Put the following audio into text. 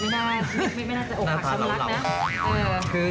ไม่น่าไม่น่าจะออกหักชำรักนะ